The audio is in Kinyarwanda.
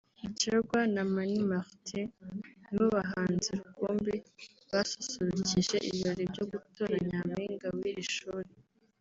Jaguar na Mani Martin ni bo bahanzi rukumbi basusurukije ibirori byo gutora Nyampinga w’iri shuri